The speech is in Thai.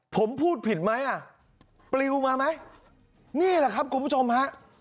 ผมพูดผิดไหมอ่ะปลิวมาไหมนี่แหละครับคุณผู้ชมฮะ